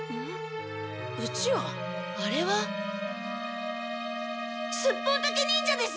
あれはスッポンタケ忍者です！